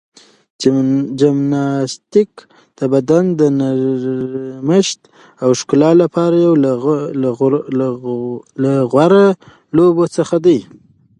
جمناستیک د بدن د نرمښت او ښکلا لپاره یو له غوره لوبو څخه ده.